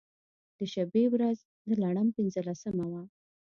د شبې و رځ د لړم پنځلسمه وه.